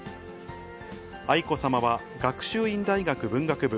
愛子さまは学習院大学文学部